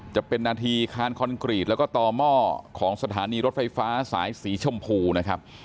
จะเป็นนาทีคานคอนกรีตแล้วก็ต่อหม้อของสถานีรถไฟฟ้าสายสีชมพูนะครับ